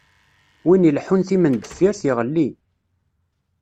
Win ileḥḥun timendeffirt, iɣelli.